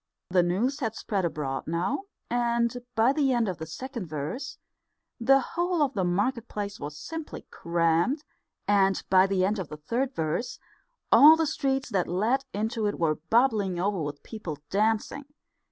The news had spread abroad now, and by the end of the second verse the whole of the market place was simply crammed, and by the end of the third verse all the streets that led into it were bubbling over with people dancing.